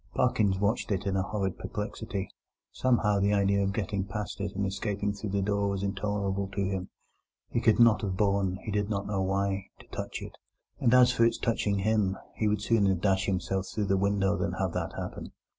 Parkins watched it in a horrid perplexity. Somehow, the idea of getting past it and escaping through the door was intolerable to him; he could not have borne—he didn't know why—to touch it; and as for its touching him, he would sooner dash himself through the window than have that happen.